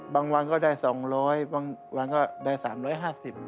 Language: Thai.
บางวันก็ได้สองร้อยบางวันก็ได้สามร้อยห้าสิบ